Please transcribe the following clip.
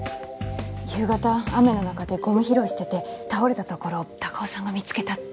夕方雨の中でごみ拾いしてて倒れたところを孝夫さんが見つけたって。